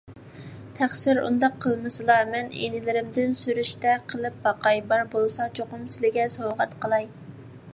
تەقسىر، ئۇنداق قىلمىسىلا! مەن ئىنىلىرىمدىن سۈرۈشتە قىلىپ باقاي، بار بولسا چوقۇم سىلىگە سوۋغات قىلاي